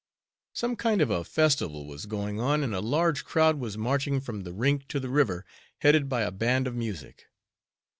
Some kind of a festival was going on, and a large crowd was marching from the rink to the river, headed by a band of music.